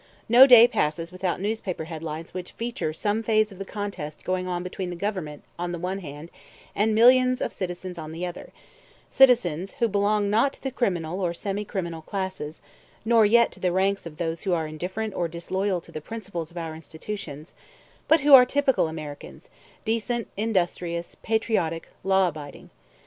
No day passes without newspaper headlines which "feature" some phase of the contest going on between the Government on the one hand and millions of citizens on the other; citizens who belong not to the criminal or semi criminal classes, nor yet to the ranks of those who are indifferent or disloyal to the principles of our institutions, but who are typical Americans, decent, industrious, patriotic, law abiding.